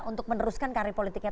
untuk meneruskan karir politiknya